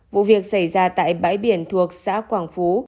vụ việc xảy ra tại bãi biển thuộc xã quảng phú